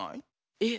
えっ⁉